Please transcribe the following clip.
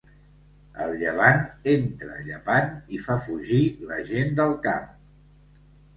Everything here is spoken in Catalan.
El llevant entra llepant i fa fugir la gent del camp.